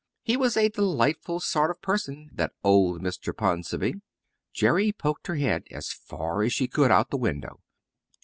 He was a delightful sort of person, that old Mr. Ponsonby. Jerry poked her head as far as she could out of the window.